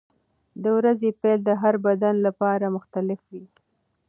د ورځې پیل د هر بدن لپاره مختلف وي.